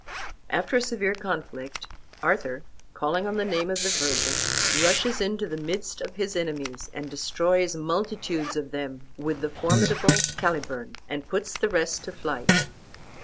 After a severe conflict, Arthur, calling on the name of the Virgin, rushes into the midst of his enemies, and destroys multitudes of them with the formidable Caliburn, and puts the rest to flight.